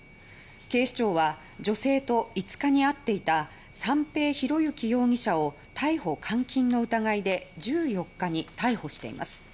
警視庁は女性と５日に会っていた三瓶博幸容疑者を逮捕・監禁の疑いで１４日に逮捕しています。